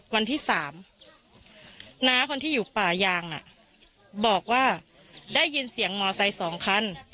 วันที่๓น้าคนที่อยู่ป่ายางบอกว่าได้ยินเสียงมอไซค์๒คัน